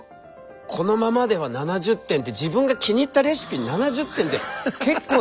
このままでは７０点って自分が気に入ったレシピに７０点って結構な辛口。